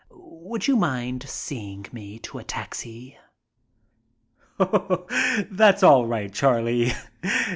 Would you mind seeing me to a taxi?" "That's all right, Charlie.